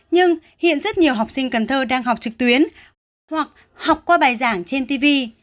nhưng hiện rất nhiều học sinh cần thơ đang học trực tuyến hoặc học qua bài giảng trên tv